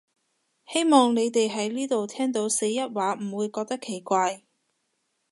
希望你哋喺呢度聽到四邑話唔會覺得奇怪